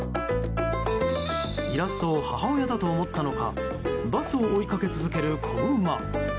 イラストを母親だと思ったのかバスを追いかけ続ける子馬。